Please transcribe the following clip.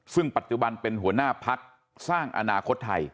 ซึ่งปัจจุบันเป็นหัวหน้าพักสร้างอนาคตไทย